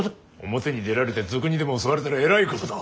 表に出られて賊にでも襲われたらえらいことだ。